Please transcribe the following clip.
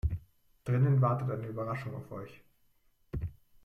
Drinnen wartet eine Überraschung auf euch.